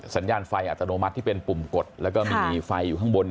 สัญญาณไฟอัตโนมัติที่เป็นปุ่มกดแล้วก็มีไฟอยู่ข้างบน